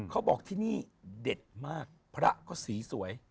เขาบอกที่นี่เด็ดมากพระก็สีสวย